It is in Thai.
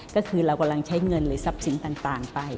ก็คือเรากำลังใช้เงินหรือทรัพย์สินต่างไป